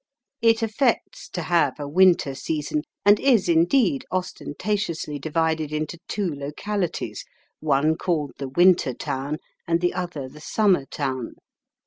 It affects to have a winter season, and is, indeed, ostentatiously divided into two localities, one called the winter town and the other the summer town.